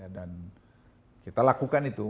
dan kita lakukan itu